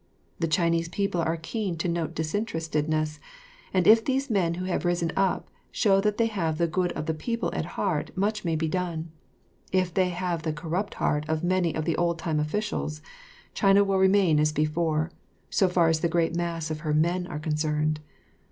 The Chinese people are keen to note disinterestedness, and if these men who have risen up show that they have the good of the people at heart much may be done. If they have the corrupt heart of many of the old time officials, China will remain as before, so far as the great mass of her men are concerned.